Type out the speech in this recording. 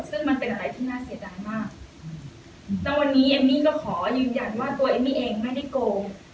ซึ่งมันเป็นอะไรที่น่าเสียดายมากแล้ววันนี้เอมมี่ก็ขอยืนยันว่าตัวเอมมี่เองไม่ได้โกง